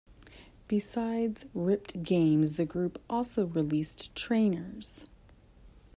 Besides ripped games, the group also releases trainers.